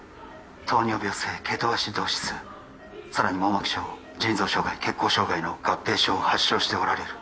糖尿病性ケトアシドーシスさらに網膜症腎臓障害血行障害の合併症を発症しておられる